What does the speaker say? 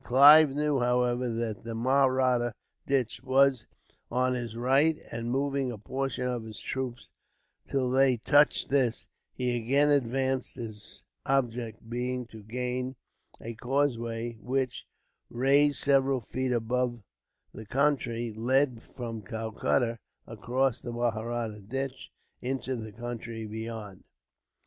Clive knew, however, that the Mahratta Ditch was on his right and, moving a portion of his troops till they touched this, he again advanced, his object being to gain a causeway which, raised several feet above the country, led from Calcutta, across the Mahratta Ditch, into the country beyond.